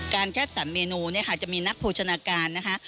การแค้นสรรเมนูจะมีนักโภชนาการนะคะ